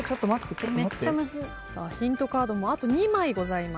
ヒントカードもあと２枚ございます。